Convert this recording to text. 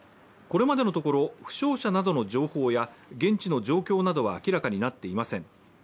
これまでのところ負傷者などの状況や現地の情報などは明らかになっていません。